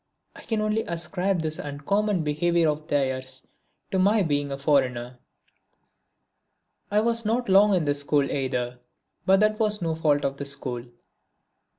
I can only ascribe this uncommon behaviour of theirs to my being a foreigner. I was not long in this school either but that was no fault of the school. Mr.